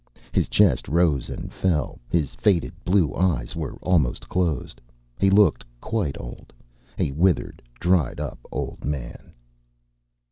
His chest rose and fell. His faded blue eyes were almost closed. He looked quite old, a withered, dried up old man.